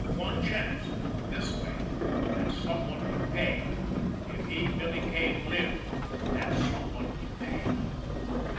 one chance ... this way ... that someone would pay ... if he, Billy Kane, lived, that someone would pay!